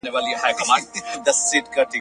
ستا څېړنه به په نویو ژبو پخه سي.